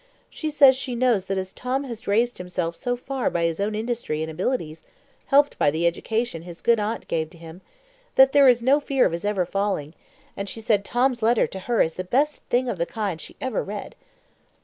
She says she knows that as Tom has raised himself so far by his own industry and abilities, helped by the education his good aunt gave to him, that there is no fear of his ever falling; and she said Tom's letter to her is the best thing of the kind she ever read."